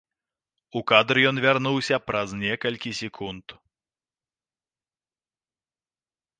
У кадр ён вярнуўся праз некалькі секунд.